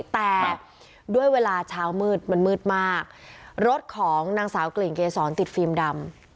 แต่ด้วยเวลาเช้ามืดมันมืดมากรถของนางสาวกลิ่นเกษรติดฟิล์มดำ